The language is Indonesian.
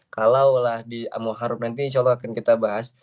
kalau lah di muharram nanti insyaallah akan kita bahas